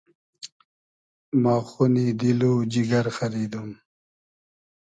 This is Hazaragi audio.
ما خونی دیل و جیگر خئریدوم